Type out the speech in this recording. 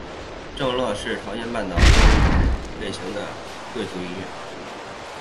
正乐是朝鲜半岛另一种类型的贵族音乐。